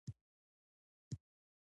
حیوانات په دوه ډلو ویشل شوي دي